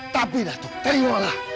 tapi datuk terima lah